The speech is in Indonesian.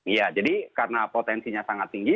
iya jadi karena potensinya sangat tinggi